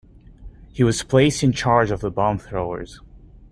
He was placed in charge of the bombthrowers.